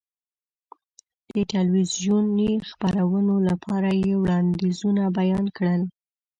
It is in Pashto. د تلویزیوني خپرونو لپاره یې وړاندیزونه بیان کړل.